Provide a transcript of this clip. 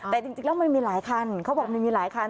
แต่จริงแล้วมันมีหลายคันเขาบอกมันมีหลายคัน